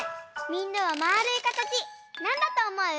みんなはまあるいかたちなんだとおもう？